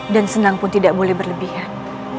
dan senang pun tidak boleh berlebihan